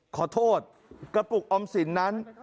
ขอโทษกระปุกออมสินนั้น